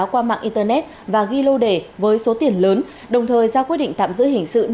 qua mạng internet và ghi lô đề với số tiền lớn đồng thời ra quyết định tạm giữ hình sự